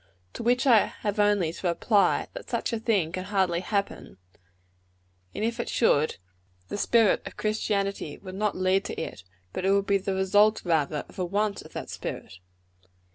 To which I have only to reply, that such a thing can hardly happen; and if it should, the spirit of Christianity would not lead to it but it would be the result, rather, of a want of that spirit.